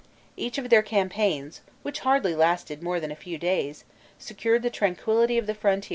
Each of their campaigns, which hardly lasted more than a few days, secured the tranquillity of the frontier for some years.